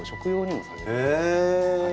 へえ！